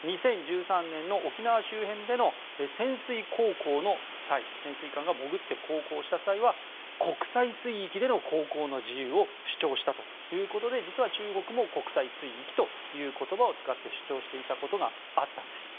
２０１３年の沖縄周辺での潜水航行の際潜水艦が潜って航行した際には国際水域での航行の自由を主張したということで実は中国も国際水域という言葉を使って主張していたことがあったんです。